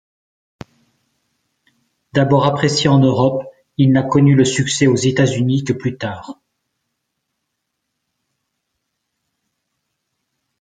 D'abord apprécié en Europe, il n'a connu le succès aux États-Unis que plus tard.